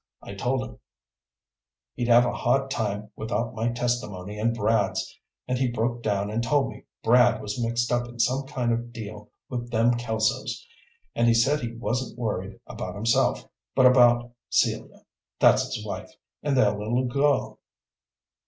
I told him he'd have a hard time without my testimony and Brad's, and he broke down and told me Brad was mixed up in some kind of deal with them Kelsos, and he said he wasn't worried about himself, but about Celia that's his wife and their little girl.